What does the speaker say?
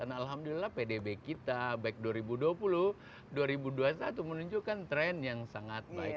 alhamdulillah pdb kita back dua ribu dua puluh dua ribu dua puluh satu menunjukkan tren yang sangat baik